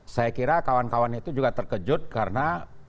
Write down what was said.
saya kira kawan kawan itu juga terkejut karena